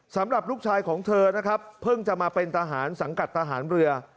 สำหรับลูกชายของเธอนะครับเพิ่งจะมาเป็นทหารสังกัดทหารเรือ